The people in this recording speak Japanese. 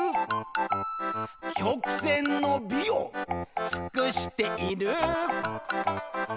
「曲線の美を尽している」